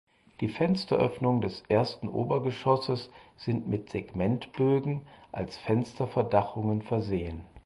Die Fensteröffnungen des ersten Obergeschosses sind mit Segmentbögen als Fensterverdachungen versehen.